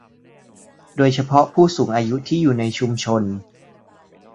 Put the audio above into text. โดยเฉพาะผู้สูงอายุที่อยู่ในชุมชน